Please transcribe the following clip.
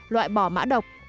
loại bỏ mã độc